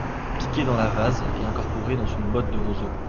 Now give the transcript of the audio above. Piqué dans la vase et incorporé dans une botte de roseaux.